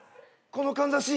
このかんざし。